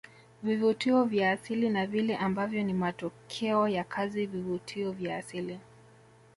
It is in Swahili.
Vivutio vya asili na vile ambavyo ni matokeo ya kazi vivutio vya asili